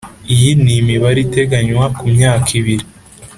Iyi ni imibare iteganywa ku myaka ibiri